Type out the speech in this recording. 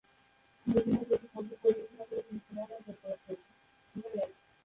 বিভিন্ন দেশে সঙ্গীত পরিবেশনা করে তিনি সুনাম অর্জন করেছেন।